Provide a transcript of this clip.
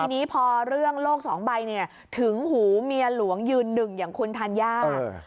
ทีนี้พอเรื่องโลกสองใบถึงหูเมียหลวงยืนหนึ่งอย่างคุณธัญญา